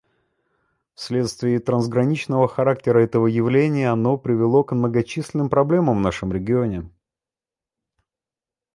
Вследствие трансграничного характера этого явления оно привело к многочисленным проблемам в нашем регионе.